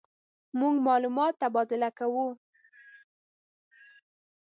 مونږ معلومات تبادله کوو.